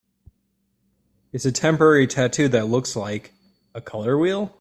It's a temporary tattoo that looks like... a color wheel?